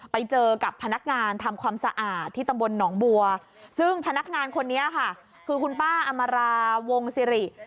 ไปเจอกับพนักงานทำความสะอาดที่ตำบลหนองบัวซึ่งพนักงานคนนี้ค่ะคือคุณป้าอมราวงสิริ